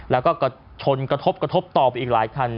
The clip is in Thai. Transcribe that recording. แล้วก็ชนกระทบกระทบต่อไปอีกหลายคัน